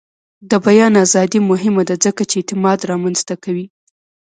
د بیان ازادي مهمه ده ځکه چې اعتماد رامنځته کوي.